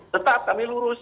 tetap kami lurus